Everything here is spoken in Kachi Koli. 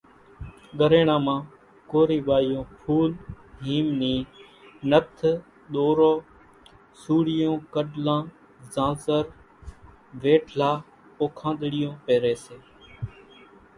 ڳريڻان مان ڪورِي ٻايوُن ڦُول، هيم نِي نٿ، ۮورو، سوڙِيون، ڪڏلان، زانزر، ويڍلا، پوکانۮڙِيون پيريَ سي۔